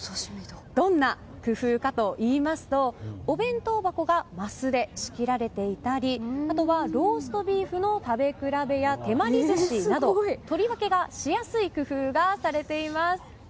どんな工夫かといいますとお弁当箱がマスで仕切られていたりあとはローストビーフの食べ比べや、手まり寿司などとりわけがしやすい工夫がされています。